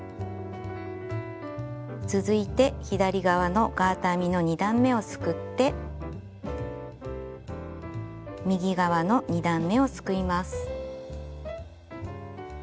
続いて左側のガーター編みの２段めをすくって右側の２段めをすくいます。